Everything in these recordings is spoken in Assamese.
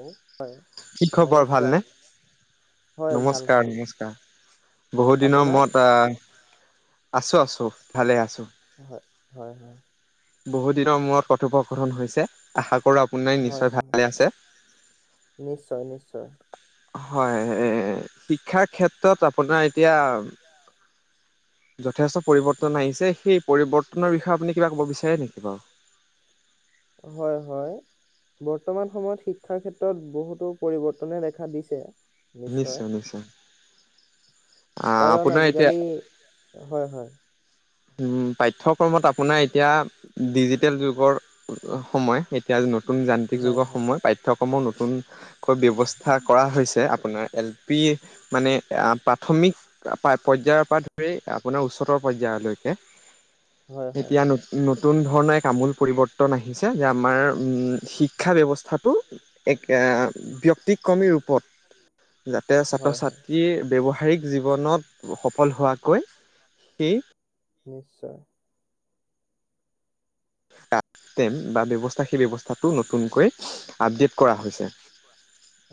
উম অ' হয় কি খবৰ ভালনে? নমস্কাৰ। হয় ভাল নমস্কাৰ ভাল নমস্কাৰ বহুত দিনৰ আপোনাৰ মূৰত আহ আছো আছো ভালে আছোঁ। হয় হয় হয়। বহু দিনৰ মূৰত কথোপকথন হৈছে আশা কৰো খোনে হয় নিশ্চয় হয় ভালে আছে? নিশ্চয় নিশ্চয় হয়, এ শিক্ষাৰ ক্ষেত্ৰত আপোনাৰ এতিয়া যথেষ্ট পৰিৱৰ্তন আহিছে, সেই পৰিৱৰ্তনৰ বিষয়ে আপুনি কিবা ক'ব বিচাৰে নেকি বা হয় হয়। বৰ্তমান সময়ত শিক্ষাৰ ক্ষেত্ৰত বহুতো পৰিৱৰ্তনে দেখা দিছে। নিশ্চয়, নিশ্চয়। আহ কাৰণ, আপোনাৰ এতিয়া আজিকালি হয় হয়। উম পাঠ্যক্ৰমত আপোনাৰ এতিয়া ডিজিটেল যুগৰ সময় এতিয়া নতুন যান্ত্ৰিক হয় যুগৰ হয় হয় সময় পাঠ্যক্ৰমোৰ নতুন। কৈ ব্যৱস্থা কৰা হৈছে আপোনাৰ এল পি মানে। এ আ প্ৰাথমিক পৰ্যায়ৰ পৰা ধৰি আপোনাৰ উচ্চতৰ পৰ্যায়লৈকে হয় এতিয়া হয় নতুন ধৰণৰ আমোল পৰিৱৰ্তন আহিছে যে আমাৰ শিক্ষা ব্যৱস্থাটো এক ব্যক্তিক্ৰমী ৰূপত যাতে হয় হয় ছাত্ৰ-ছাত্ৰীয়ে ব্যৱহাৰিক জীৱনত সফল হোৱাকৈ সি। নিশ্চয়। টেম বা ব্যৱস্থা সেই ব্যৱস্থাটো নতুনকৈ আপডেট কৰা হৈছে।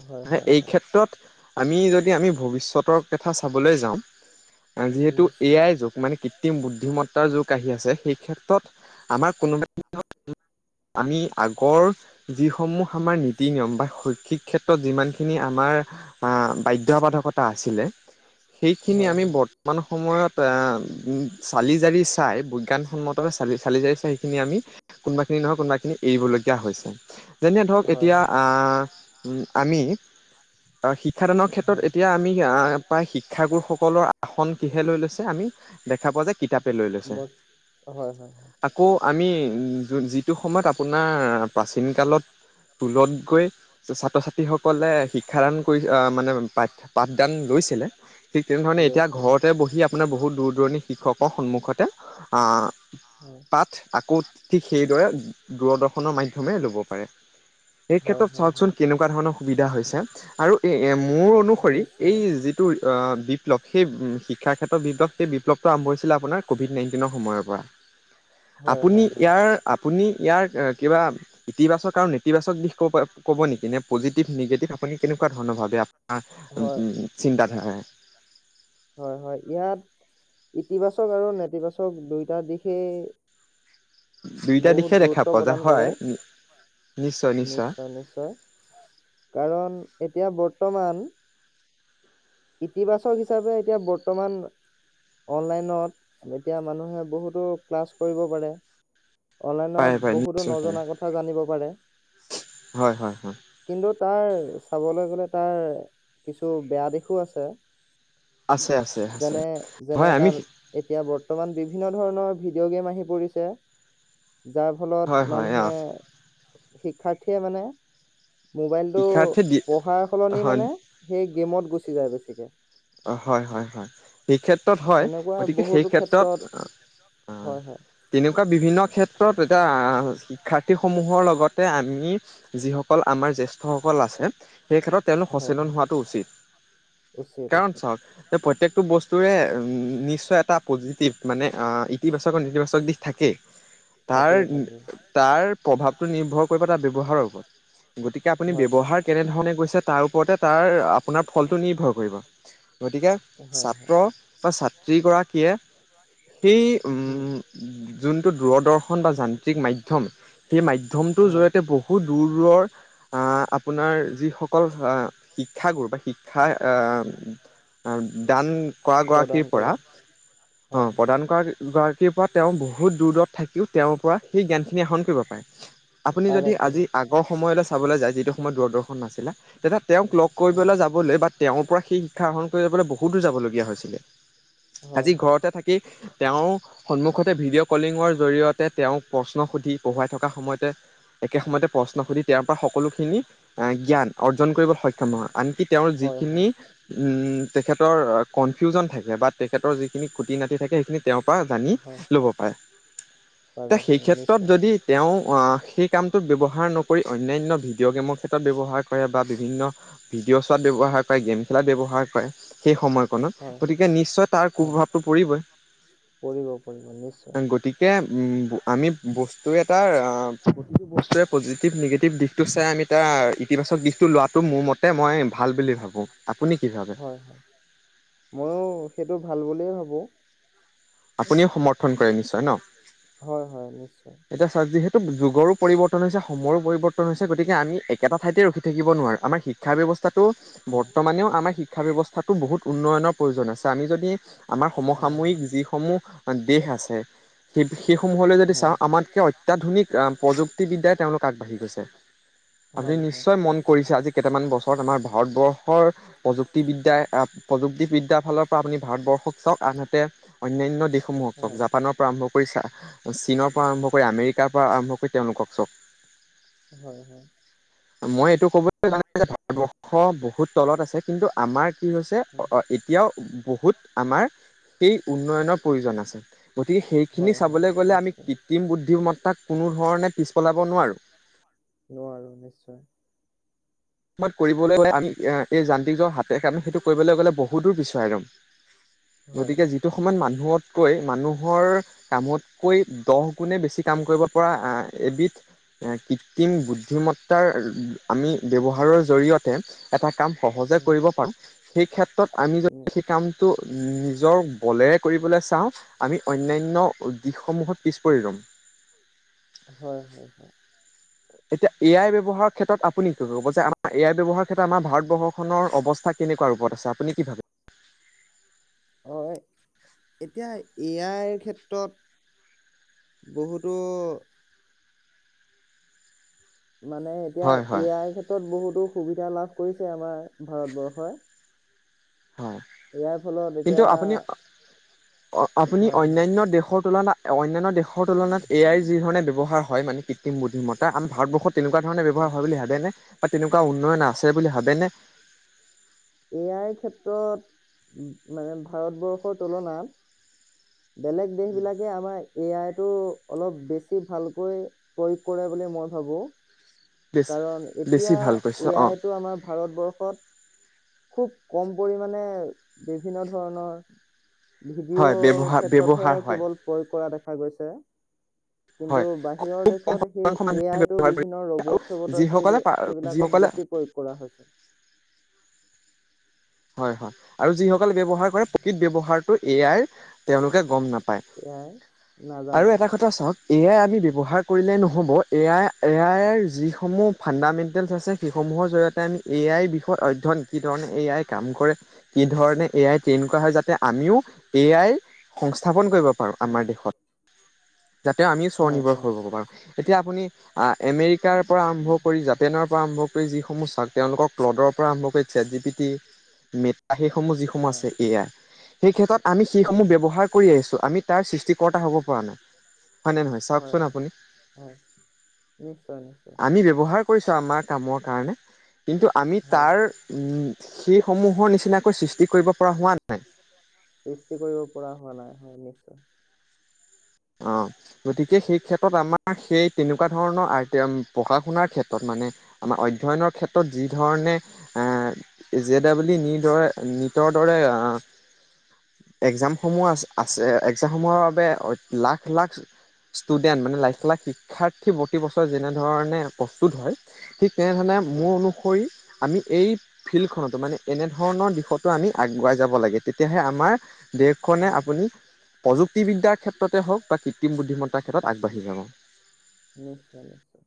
হয় হয় এই হয় ক্ষেত্ৰত আমি যদি আমি ভৱিষ্যতৰ কথা চাবলৈ যাওঁ- যিহেতু এ নিশ্চয় আই যুগ মানে। কৃত্ৰিম বুদ্ধিমত্তাৰ যুগ আহি আছে, সেই ক্ষেত্ৰত আমাৰ কোনোবা আমি আগৰ যিসমূহ আমাৰ নীতি-নিয়ম বা শৈক্ষিক ক্ষেত্ৰত যিমান খিনি আমাৰ আ বাধ্য বাধকতা আছিলে সেইখিনি হয় আমি হয় বৰ্তমান সময়ত এঁ চালি-জাৰি চাই বিজ্ঞানসন্মত- চালি জাৰি চাইকিনি আমি কোনোবাখিনিত নহয় কোনবাখিনিত- এৰিবলগীয়া হৈছে, যেনে ধৰক হয় এতিয়া হয় হয় আঁ আমি- অ' শিক্ষাদানৰ ক্ষেত্ৰত এতিয়া আমি আঁহ প্ৰায় শিক্ষাগুৰুসকলৰ আসন কিহে লৈ লৈছে? আমি- দেখা পোৱা যে কিতাপে লৈ লৈছে। বৰ হয় হয়। আকৌ আমি যোন যিটো সময়ত আপোনাৰ প্ৰাচীন কালত- স্কুলত গৈ ছাত্ৰ-ছাত্ৰীসকলে- শিক্ষাদান কৰি মানে পাঠ পাঠদান লৈছিলে, ঠিক তেনেধৰণে এতিয়া লৈছিলো ঘৰতে বহি আপ- পোনাৰ বহুত দূৰ দূৰণি শিক্ষকৰ সন্মুখতে আঁহ হয় পা- পাঠ আকৌ ঠিক সেইদৰে দূৰদৰ্শনৰ মাধ্যমেৰে ল'ব পাৰে। এই হয় ক্ষেত্ৰত হয় হয় চাওকচোন কেনেকুৱা ধৰণৰ সুবিধা হৈছে, আৰু এ মোৰ অনুসৰি এই নিশ্চয় যি- টো অঁ বিপ্লৱ সেই উম শি- শিক্ষাৰ ক্ষেত্ৰত বিপ্লব সেই বিপ্লৱটো আৰম্ভ হৈছিলে আপোনাৰ ক'ভিড নাইটিনৰ সময়ৰ পৰা। হয় আপুনি হয় হয় ইয়াৰ আপুনি ইয়াৰ কিবা- ইতিবাচক আৰু নেতিবাচক ক ক'ব নেকি? নে পজিটিভ, নিগেটিভ আপুনি কেনেকুৱা ধৰণৰ ভাবে? হয় আঁহ চিন্তাধাৰাৰে। হয় হয়, ইয়াত- ইতিবাচক আৰু নেতিবাচক দুইটা দিশেই- দুইটা দিশে বহুত দেখা গুৰুত্ব পোৱা যায় প্ৰদান কৰে। হয় নিশ্চয় নিশ্চয়, কাৰণ এতিয়া বৰ্তমান- ইতিবাচক হিচাপে এতিয়া বৰ্তমান- অনলাইনত, এতিয়া মানুহে বহুতো ক্লাছ কৰিব পাৰে। অনলাইনত পাৰে পাৰে বহুতো নিশ্চয় পাৰে নজনা কথা জানিব পাৰে। হয় হয় হয় কিন্তু তাৰ চাবলে গ'লে তাৰ কিছু বেয়া দিশো আছে। আছে আছে আছে যেনে, হয় যেনে আমি তাৰ- এতিয়া বৰ্তমান বিভিন্ন ধৰণৰ ভিডিঅ' গে'ম আহি পৰিছে। যাৰ ফলত হয় হয় অ মানুহে শিক্ষাৰ্থীয়ে মানে- মোবাইলটো শিক্ষাৰ্থী দি পঢ়াৰ সলনি হয় মানে, এই গেমত গুচি যায় বেছিকে। অঁ' হয় হয় হয়, সেই ক্ষেত্ৰত হয়। তেনেকুৱা গতিকে সেই বহুতো ক্ষেত্ৰত- হয় হয়। তেনেকুৱা বিভিন্ন ক্ষেত্ৰত, এতিয়া শিক্ষাৰ্থীসমূহৰ লগতে আমি- যিসকল আমাৰ জেষ্ঠসকল আছে, সেই ক্ষেত্ৰত তেওঁলোক হয় হয় সচেতন হোৱাটো উচিত। উচিত কাৰণ উচিত চাওক এ প্ৰত্যেকটো বস্তুৰে নিশ্চয় এটা পজিটিভ মানে অঁ ই- ইতিবাচক আৰু নেতিবাচক দিশ থাকেই থাকেই থাকেই তাৰ- তাৰ প্ৰভাৱটো নিৰ্ভৰ কৰিব তাৰ ব্যৱহাৰৰ ওপৰত। গতিকে আপুনি হয় হয় ব্যৱহাৰ কেনেধৰণে কৰিছে, তাৰ ওপৰতে তাৰ আপোনাৰ ফলটো নিৰ্ভৰ কৰিব। গতিকে হয় হয় ছাত্ৰ বা ছাত্ৰীগৰাকীয়ে- এই উম' যোনটো দূৰদৰ্শন বা যান্ত্ৰিক মাধ্যম সেই মাধ্যমটোৰ হয় জৰিয়তে বহ- বহু দূৰ দূৰৰ- আঁ আপোনাৰ যিসকল শিক্ষাগুৰু বা শিক্ষাৰ আঁ- দান কৰা প্ৰদান গৰাকীৰ কৰে পৰা- হয় অঁ হয় প্ৰদান কৰা গৰাকীৰ পৰা, তেওঁ বহুত দূৰ দূৰত থাকিও, তেওঁৰ পৰা সেই জ্ঞানখিনি আহৰণ কৰিব পাৰে। আপুনি পাৰে যদি পাৰে আজি আগৰ সময়লৈ চাবলৈ যায় যিটো সময়ত দূৰদৰ্শন নাছিলে। তেতিয়া তেওঁক লগ- হয় কৰিবলৈ যাবলৈ, বা তেওঁৰ পৰা সেই শিক্ষা আহৰণ কৰি যাবলৈ বহুত দূৰ যাবলগীয়া হৈছিলে। হয় আজি হয় ঘৰতে থাকি তেওঁৰ সন্মুখতে ভিডিঅ' কলিঙৰ জৰিয়তে তেওঁক প্ৰশ্ন সুধি পঢ়োৱাই থকা সময়তে একে সময়তে প্ৰশ্ন সুধি তেঁওৰ পৰা সকলোখিনি জ্ঞান অৰ্জন কৰিবলৈ সক্ষম হয়, আনকি তেওঁৰ হয় যিখিনি হয় উম, তেখেতৰ কনফিউজন থাকে, বা তেখেতৰ যিখিনি খুটি- নাতি থাকে সেইখিনি তেওঁৰ পৰা জানি হয়, ল'ব পাৰে। পাৰে এতিয়া সেই পাৰে কেত্ৰত নিশ্চয়। যদি তেওঁ সেই কামটোত ব্যৱহাৰ নকৰি অন্যান্য ভিডিঅ' গেমৰ, ক্ষেত্ৰত ব্যৱহাৰ কৰে বা বিভিন্ন ভিডিঅ' চোৱাত ব্যৱহাৰ কৰে গেম খেলাত ব্যৱহাৰ কৰে সেই সময়কণত, হয়, গতিকে নিশ্চয় তাৰ কুপ্ৰভাৱটো পৰিবই। পঢ়িব পঢ়িব নিশ্চয়। [unintelligible] আমি বস্তু এটা প্ৰতিটো বস্তুৰে পজিটিভ, নিগেটিভ দিশটো চাই আমি তাৰ ইতিবাচক দিশটো লোৱাটো মোৰ মতে মই ভাল বুলি ভাবোঁ। আপুনি কি ভাবে? হয়, হয়, ময়ো সেইটো ভাল বুলিয়েই ভাবোঁ। আপুনিও সমৰ্থন কৰে নিশ্চয় ন'? হয়, হয়, নিশ্চয়। এতিয়া চাওক যিহেতু যুগৰো পৰিৱৰ্তন হৈছে সময়ৰো পৰিৱৰ্তন হৈছে। গতিকে আমি একেটা ঠাইতে ৰখি থাকিব নোৱাৰে আমাৰ শিক্ষা ব্যৱস্থাটো হয়, বৰ্তমানেও আমাৰ শিক্ষা ব্যৱস্থাতটো বহুত উন্নয়নৰ প্ৰয়োজন আছে। আমি যদি আমাৰ হয় সমসাময়িক হয়। যিসমূহ দেশ আছে সেই সেই সমূহলৈ যদি হয়। চাওঁ। আমাতকৈ অত্যাধুনিক প্ৰযুক্তিবিদ্যাই তেওঁলোক আগবাঢ়ি গৈছে। আপুনি হয় হয়, নিশ্চয় মন কৰিছে আজি কেইটামান বছৰত আমাৰ ভাৰতবৰ্ষ বৰ প্ৰযুক্তিবিদ্যা প্ৰযুক্তিবিদ্যাৰ ফালৰ পৰা আপুনি ভাৰতবৰ্ষক চাওক আনহাতে অন্যান্য দেশসমূহক হয়, জাপানৰ পৰা আৰম্ভ কৰি চীনৰ পৰা আৰম্ভ কৰি আমেৰিকাৰ পৰা আৰম্ভ কৰি তেওঁলোকক চাওক। হয়, হয়। মই এইটো ক'বলৈ জানো যে ভাৰতবৰ্ষ বহুত তলত আছে কিন্তু আমাৰ কি হৈছে। হয় এতিয়াও বহুত আমাৰ সেই উন্নয়নৰ প্ৰয়োজন আছে। গতিকে সেইখিনি হয়, হয় চাবলৈ গ'লে আমি নিশ্চয়। কৃত্ৰিম বুদ্ধিমত্তাক কোনো ধৰণে পিছ পেলাব নোৱাৰোঁ। নোৱাৰো নিশ্চয়। কৰিবলৈ গলে আমি এই যান্ত্ৰিকজ হাতে আমি সেইটো কৰিবলৈ গ'লে বহুত দূৰ পিছোৱাই যাম। হয় গতিকে হয়, যিটো সময়ত মানুহতকৈ মানুহৰ কামতকৈ দহ গুণে বেছি কাম কৰিব পৰা এবিধ কৃত্ৰিম বুদ্ধিমতাৰ আমি ব্যৱহাৰ ৰ জৰিয়তে এটা কাম সহজে উম। কৰিব পাৰো। সেই ক্ষেত্ৰত আমি উম, যদি সেই কাম তো নিজৰ বলেৰে কৰিবলৈ চাওঁ আমি অন্যান্য দিশসমূহত পিছ পৰি ৰ'ম। হয়, হয়, হয়। এতিয়া এ আই ব্যৱহাৰ ক্ষেত্ৰত আপুনি কি ক'ব যে আমাৰ এ আই ব্যৱহাৰ ক্ষেত্ৰত আমাৰ ভাৰতবৰ্ষ খনৰ অৱস্থা কেনেকুৱা ৰূপত আছে আপুনি কি ভাবে? হয়, এতিয়া এ আইৰ ক্ষেত্ৰত বহুতো মানে এতিয়া হয় এ' হয় আই ক্ষেত্ৰত বহুতো সুবিধা লাভ কৰিছে আমাৰ ভাৰতবৰ্ষই। হয়, ইয়াৰ ফলত কিন্তু এতিয়া আপুনি অ' আপুনি হয় হয় অন্যান্য দেশৰ তুলনাত অন্যান্য দেশৰ তুলনাত এ' আইৰ যি ধৰণে ব্যৱহাৰ হয় মানে কৃত্ৰিম বুদ্ধিমত্তা, আমি ভাৰতবৰ্ষত তেনেকুৱা ধৰণে ব্যৱহাৰ হয় বুলি ভাবেনে, বা তেনেকুৱা উন্নয়ন আছে বুলি ভাবেনে? এ' আই ক্ষেত্ৰত মানে ভাৰতবৰ্ষৰ তুলনাত বেলেগ দেশ বিলাকে আমাৰ এ' আইটো অলপ বেছি ভালকৈ প্ৰয়োগ কৰে বুলি মই ভাবোঁ। বেছ কাৰণ বেছি এতিয়া ভাল কৈছে এ' অ আইতো আমাৰ ভাৰতবৰ্ষত খুব কম পৰিমাণে বিভিন্ন ধৰণৰ হয় ভিডিঅ' ব্যৱহাৰ ক্ষেত্ৰতহে ব্যৱহাৰ হয় কেৱল প্ৰয়োগ কৰা গৈছে। কিন্তু হয় বাহিৰৰ খুব কম দেশত সেই শতাংশ এ' মানুহে আইটো ব্যৱহাৰ কৰে বিভিন্ন ৰবট চবটৰ সেই যিসকলে সেইবিলাকত যিসকলে বেছি প্ৰয়োগ কৰা হৈছে। হয় হয় আৰু যিসকলে ব্যৱহাৰ কৰে প্ৰকৃত ব্যৱহাৰটো এ' আইৰ তেওঁলোকে গম নাপায় পাই, এ আই আৰু নাজানে এটা কথা চাওক এ' আই আমি ব্যৱহাৰ কৰিলেই নহ'ব এ' আই, এ আইৰ যিসমূহ ফাণ্ডামেণ্টেলছ আছে সেইসমূহৰ জৰিয়তে আমি এ' আইৰ বিষয়ত অধ্যয়ন কি ধৰণে এ' আই কাম কৰে, কি ধৰণে এ' আই ট্ৰেইন কৰা হয় যাতে, আমিও এ' আই সংস্থাপন কৰিব পাৰোঁ পাৰোঁ হয় আমাৰ দেশত। যাতে আমিও হয় স্বনিৰ্ভৰ হয় হ-হব পাৰোঁ, এতিয়া আপুনি আহ আমেৰিকাৰ পৰা আৰম্ভ কৰি জা ফেনৰ পৰা আৰম্ভ কৰি যিসমূহ চাক তেওঁলোকক ক্লডৰ পৰা কৰি চেট জিপিটি [unintelligible] সেইসমূহ, যিসমূহ হয় আছে এ' আই সেই ক্ষেত্ৰত আমি হয় সেইসমূহ ব্যৱহাৰ আহিছোঁ, আমি তাৰ সৃষ্টিকৰ্তা হ'ব পৰা নাই। হয় নে নহয় হয় চাওকচোন হয় আপুনি হয় নিশ্চয় নিশ্চয়। আমি ব্যৱহাৰ কৰিছোঁ আমাৰ কামৰ কাৰণে, কিন্তু আমি হয় তাৰ উ'ম সেই সমূহৰ নি সৃষ্টি কৰিব পৰা হোৱা নাই, হয় নিশ্চয় অ' গতিকে সেই ক্ষেত্ৰত আমাৰ সেই তেনে তেনেকোৱা ধৰণৰ আইটেম পঢ়া শুনাৰ ক্ষেত্ৰত মানে, আমাৰ অধ্যয়নৰ ক্ষেত্ৰত যি ধৰণে আ' জে ডবল ই' নিৰ দৰে, নিটৰ দৰে আ' [inaudible] একজামসমূহ আ-আছে হয় একজামসমূহৰ বাবে অ' লাখ লাখ ষ্টুডেন্ট মানে লাখ, লাখ শিক্ষাৰ্থী প্ৰতি বছৰ যেনে ধৰণে প্ৰস্তুত হয়, ঠিক তেনেধৰণে হয় মোৰ অনুসৰি আমি এই ফিল্ডখনতো মানে এনেধৰণৰ দিশতো আমি আগুৱাই যাব লাগে। তেতিয়াহে আমাৰ দেশখনে, হয় আপুনি প্ৰযুক্তিবিদ্যাৰ ক্ষে ক্ষেত্ৰতে হওঁক বা কৃতিম বুদ্ধিমত্তাৰ ক্ষেত্ৰত আগবাঢ়ি যাব। নিশ্চয় নিশ্চয়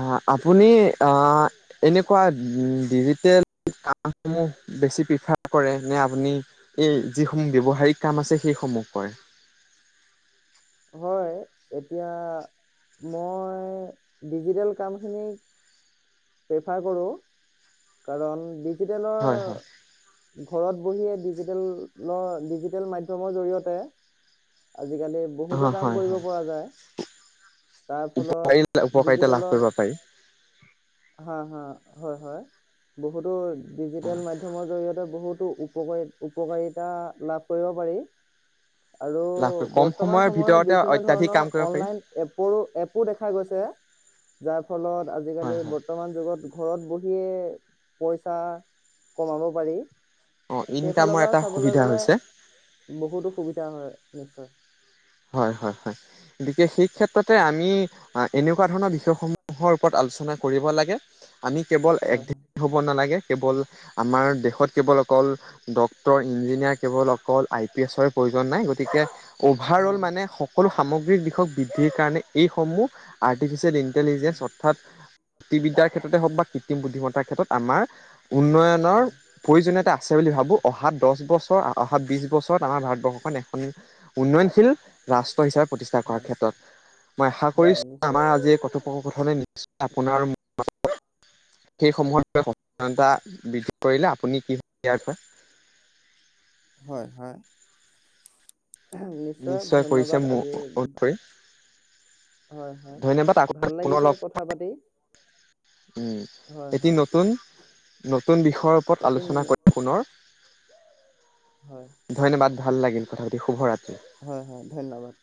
আ' আপুনি আ' এনেকুৱা ডিজিটেল কামসমূহ বেছি প্ৰিফাৰ কৰে নে, আপুনি এই যিসমূহ ব্যৱহাৰিক কাম আছে সেইসমূহ কৰে? হয়, এতিয়া মই ডিজিটেল কামখিনিক প্ৰেফাৰ কৰোঁ কাৰণ ডিজিটেলৰ হয় হয় ঘৰত বহিয়ে ডিজিটেলৰ, ডিজিটেল মধ্যমৰ জৰিয়তে আজিকালি বহুতো হয় কাম হয় কৰিব হয় পৰা যায়, তাৰ ফলত উপকাৰিতা লাভ কৰিব ডিজিটেলত পাৰি হা হা হয় হয় বহুতো অ ডিজিটেল মধ্যমৰ জৰিয়তে বহুতো উপকাৰী উপকাৰিতা লাভ কৰিব পাৰি। আৰু লাভ কৰি কম বৰ্তমান সময়ৰ সময়ত ভিতৰতে বিভিন্ন অত্যাধিক ধৰণৰ কাম কৰিব পাৰি অনলাইন এপৰো এপো দেখা গৈছে যাৰ ফলত হয় আজিকালি হয় ব ৰ্তমান যুগত ঘৰত বহিয়ে পইচা কমাব পাৰি। অ সেইফালৰ ইনকামৰ পৰা এটা চাবলৈ সুবিধা গলে হৈছে বহুতো সুবিধা হয় নিশ্চয়। হয় হয় হয় গতিকে সেই ক্ষেত্ৰতে আমি এ এনেকুৱা ধৰণৰ বিষয়সমূহৰ ওপৰত আলোচনা কৰিব লাগে। আমি কেৱল এক হয় হ'ব নালাগে কেৱল আমাৰ দেশত কেৱল অকল ডক্টৰ, ইঞ্জিনিয়াৰ কেৱল অকল আই পি এছৰে প্ৰয়োজন নাই গতিকে অভাৰ'ল হয় মানে সকলো সামগ্ৰিক দিশক বৃদ্ধিৰ কাৰণে এইসমূহ আৰ্টিফিচিয়েল হয় ইণ্টেলিজেন্স অৰ্থাৎ বিদ্যাৰ ক্ষেত্ৰতে হওঁক বা কৃত্ৰিম বুদ্ধিমতাৰ ক্ষেত্ৰত উন্নয়নৰ আমাৰ উন্নয়নৰ হয় প্ৰয়োজনীয়তা আছে বুলি ভাবো অহা দহ বছৰ অহা বিছ বছৰত আমাৰ ভাৰতবৰ্ষখন এখন। উন্নয়নশীল ৰাষ্ট্ৰ হিচাপে প্ৰতিষ্ঠা কৰাৰ হয় ক্ষেত্ৰত মই আশা হয় কৰিছোঁ। নিশ্চয় আমাৰ আজি ক [unintelligible] সেই সমূহতা [unintelligible] বৃদ্ধি কৰিলে আপুনি কি কব ইয়াৰ বিষয়? হয় হয় নিশ্চয় কৰিছে ধন্যবাদ মোৰ আজি অনুসৰি হয় হয় ধন্যবাদ আকৌ ভাল পুনৰ লাগিছে লগ কথা পাতি। উম হয় এটি হয় নতুন, নতুন বিষয়ৰ ওপৰত এদিন আলোচনা কৰিম পুনৰ। হয়। ধন্যবাদ ভাল লাগিল কথা পাতি শুভৰাতি। হয় হয় ধন্যবাদ।